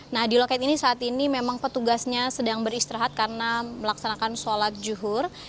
nah di loket ini saat ini memang petugasnya sedang beristirahat karena melaksanakan sholat juhur